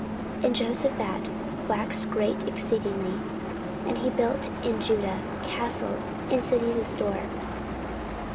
14:017:012 And Jehoshaphat waxed great exceedingly; and he built in Judah castles, and cities of store.